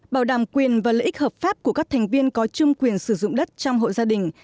bảo đảm quyền và lợi ích hợp pháp của các thành viên có chung quyền sử dụng đất trong hộ gia đình